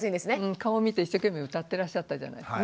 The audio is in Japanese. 顔見て一生懸命歌ってらっしゃったじゃないですか。